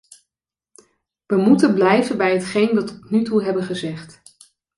We moeten blijven bij hetgeen we tot nu toe hebben gezegd.